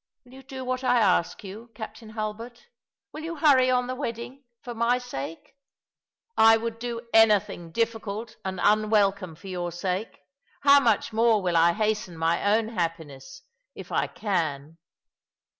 Will you do what I ask you. Captain Hulbert ? will you hurry on the wedding — for my Bake?" "I would do anything difficult and unwelcome for your Bake— how much more will I hasten my own happiness — if I 278 All along the River, can.